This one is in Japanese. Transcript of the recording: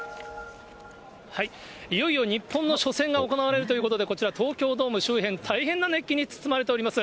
いよいよ日本の初戦が行われるということで、こちら、東京ドーム周辺、大変な熱気に包まれております。